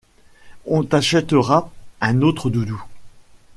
On t'achètera un autre doudou.